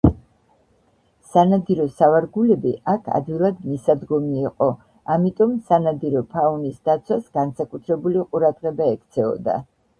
სანადირო სავარგულები აქ ადვილად მისადგომი იყო, ამიტომ სანადირო ფაუნის დაცვას განსაკუთრებული ყურადღება ექცეოდა.